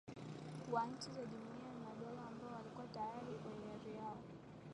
wa nchi za jumuiya ya madola ambao walikuwa tayari kwa hiari yao